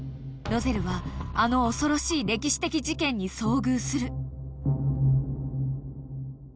［ロゼルはあの恐ろしい歴史的事件に遭遇する］